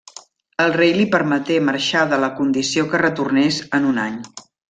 El rei li permeté marxar de la condició que retornés en un any.